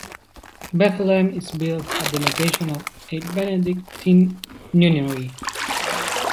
Bethlehem is built at the location of a Benedictine nunnery.